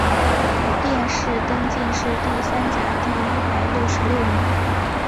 殿试登进士第三甲第一百六十六名。